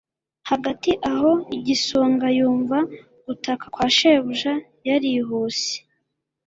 hagati aho igisonga, yumva gutaka kwa shebuja, yarihuse